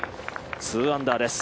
２アンダーです。